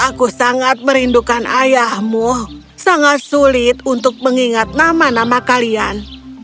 aku sangat merindukan ayahmu sangat sulit untuk mengingat nama nama kalian